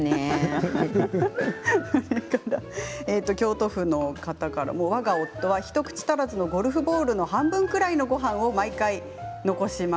京都府の方からわが夫は一口足らずのゴルフボール半分ぐらいのごはんを毎回残します。